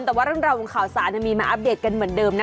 แต่ว่าเรื่องราวของข่าวสารมีมาอัปเดตกันเหมือนเดิมนะ